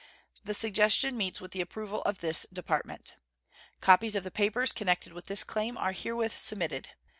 The suggestion meets the approval of this Department. Copies of the papers connected with this claim are herewith submitted.